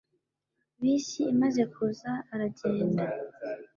Bisi imaze kuza, aragenda